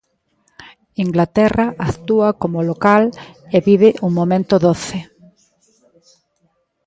Inglaterra actúa como local e vive un momento doce.